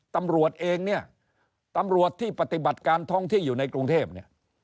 ตำรวจเองเนี่ยตำรวจที่ปฏิบัติการท้องที่อยู่ในกรุงเทพเนี่ย